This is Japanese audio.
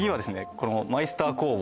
このマイスター工房